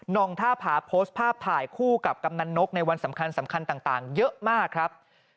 องท่าผาโพสต์ภาพถ่ายคู่กับกำนันนกในวันสำคัญต่างเยอะมากครับ